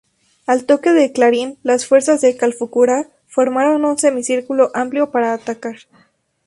Al toque de clarín las fuerzas de Calfucurá formaron un semicírculo amplio para atacar.